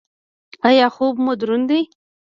ایا خوب مو دروند دی؟